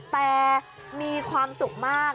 แต่มีความสุขมาก